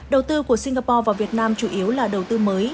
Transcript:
đầu tư của singapore vào việt nam chủ yếu là đầu tư mới